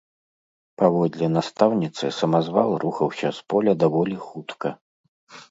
Паводле настаўніцы, самазвал рухаўся з поля даволі хутка.